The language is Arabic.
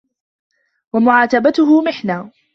وَمُعَاتَبَتُهُ مِحْنَةٌ